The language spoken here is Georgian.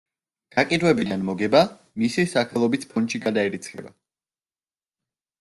გაყიდვებიდან მოგება მისი სახელობის ფონდში გადაირიცხა.